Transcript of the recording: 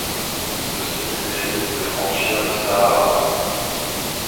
Ceci lui évite de franchir le Sahara.